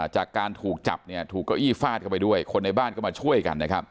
จากการถูกจับถูกเก้าอี้ฟาดเข้าไปด้วยคนในบ้านก็มาช่วยกันนะครับ